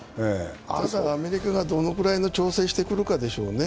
アメリカがどれくらいの調整をしてくるかでしょうね。